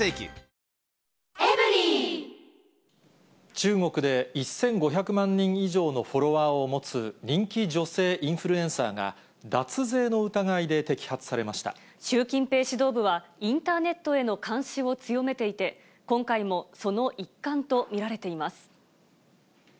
中国で、１５００万人以上のフォロワーを持つ人気女性インフルエンサーが、習近平指導部は、インターネットへの監視を強めていて、今回も、その一環と見られています。